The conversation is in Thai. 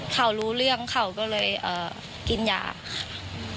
เขารู้เรื่องเขาก็เลยกินยาค่ะ